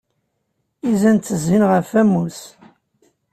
Izan ttezzin ɣef wamus.